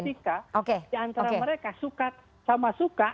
ketika diantara mereka suka sama suka